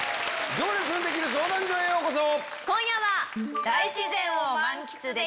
『行列のできる相談所』へようこそ。